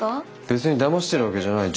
別にだましてるわけじゃない